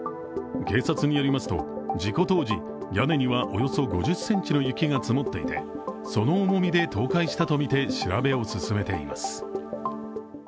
警察によりますと、事故当時、屋根にはおよそ５０ｃｍの雪が積もっていてその重みで倒壊したとみて調べを進めています。